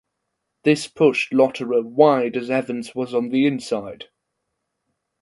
This pushed Lotterer wide as Evans was on the inside.